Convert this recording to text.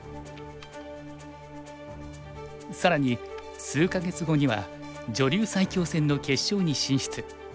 更に数か月後には女流最強戦の決勝に進出。